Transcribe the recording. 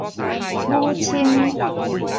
武青